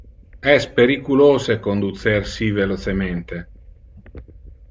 Es periculose conducer si velocemente.